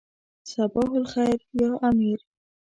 صباح الخیر یا امیر.